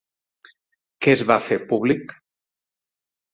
Què es va fer públic?